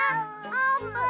あーぷん。